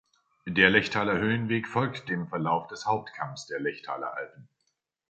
Der Lechtaler Höhenweg folgt dem Verlauf des Hauptkamms der Lechtaler Alpen.